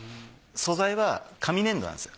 素材は紙粘土なんですよ。